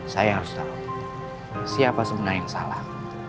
saya harus tahu siapa sebenarnya yang salah